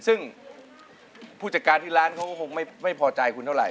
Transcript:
ซึ่งผู้จัดการที่ร้านเขาก็คงไม่พอใจคุณเท่าไห